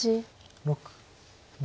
６７。